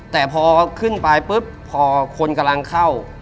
แต่พอขึ้นไปปุ๊บพอคนกำลังเข้า